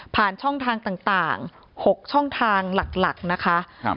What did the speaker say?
ช่องทางต่าง๖ช่องทางหลักนะคะ